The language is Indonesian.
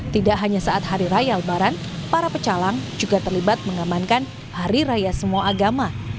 tidak hanya saat hari raya lebaran para pecalang juga terlibat mengamankan hari raya semua agama